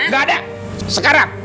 gak ada sekarang